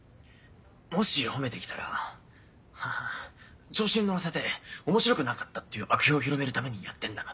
もし褒めてきたら「ははん調子に乗らせて面白くなかったっていう悪評を広めるためにやってんだな？」